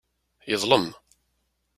Yeḍlem.